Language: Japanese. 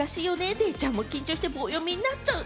デイちゃんも緊張して棒読みになっちゃう。